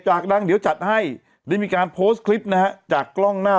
ดังเดี๋ยวจัดให้ได้มีการโพสต์คลิปนะฮะจากกล้องหน้า